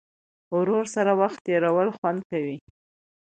ورور سره وخت تېرول خوند کوي.